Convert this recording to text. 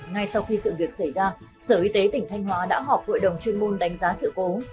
ngay sau khi sự việc xảy ra sở y tế tỉnh thanh hóa đã họp hội đồng chuyên môn đánh giá sự cố